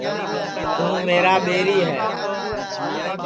توں میرا ٻیری ہے